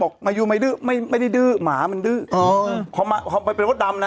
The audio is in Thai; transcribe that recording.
มายูไม่ดื้อไม่ไม่ได้ดื้อหมามันดื้อเออพอมาพอไปเป็นมดดำนะ